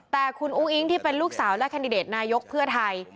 แต่คุณอุ้งอิ๊งที่เป็นลูกสาวและแคนดิเดตนายกเพื่อไทย